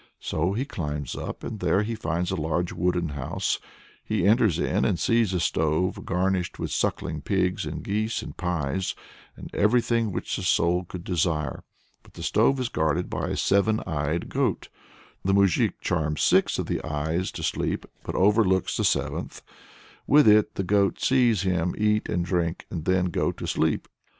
So he climbs up, and there he finds a large wooden house. He enters in and sees a stove, garnished with sucking pigs and geese and pies "and everything which the soul could desire." But the stove is guarded by a seven eyed goat; the moujik charms six of the eyes to sleep, but overlooks the seventh. With it the goat sees him eat and drink and then go to sleep.